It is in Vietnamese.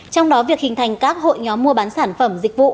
trong đó việc hình thành các hội nhóm mua bán sản phẩm dịch vụ